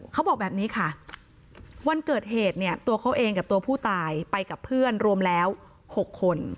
เขาบอกแบบนี้ค่ะวันเกิดเหตุเนี่ยตัวเขาเองกับตัวผู้ตายไปกับเพื่อนรวมแล้ว๖คน